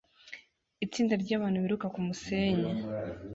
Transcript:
Itsinda ryabantu biruka kumusenyi